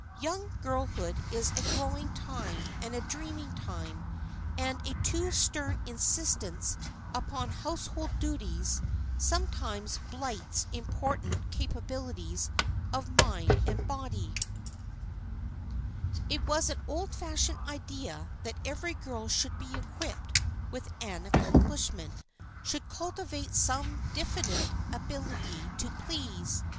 Young girlhood is a growing time and a dreaming time; and a too stern insistence upon household duties sometimes blights important capabilities of mind and body. [Sidenote: ACQUIRING ACCOMPLISHMENTS] It was an old fashioned idea that every girl should be equipped with an accomplishment, should cultivate some definite ability to please.